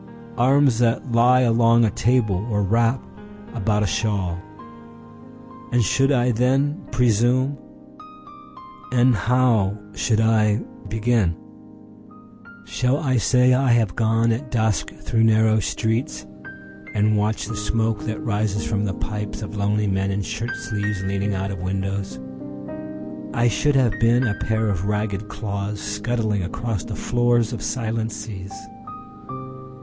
Arms that lie along a table, or wrap about a shawl. And should I then presume? And how should I begin?……..Shall I say, I have gone at dusk through narrow streetsAnd watched the smoke that rises from the pipesOf lonely men in shirt sleeves, leaning out of windows?…I should have been a pair of ragged clawsScuttling across the floors of silent seas.